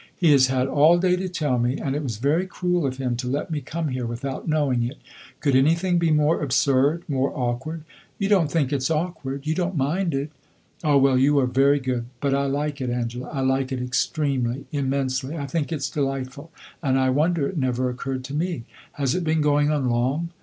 "He has had all day to tell me, and it was very cruel of him to let me come here without knowing it. Could anything be more absurd more awkward? You don't think it 's awkward you don't mind it? Ah well, you are very good! But I like it, Angela I like it extremely, immensely. I think it 's delightful, and I wonder it never occurred to me. Has it been going on long?